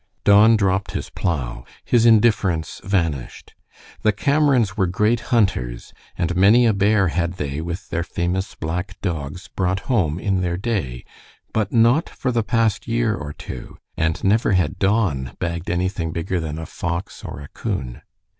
Don dropped his plow. His indifference vanished. The Camerons were great hunters, and many a bear had they, with their famous black dogs, brought home in their day, but not for the past year or two; and never had Don bagged anything bigger than a fox or a coon.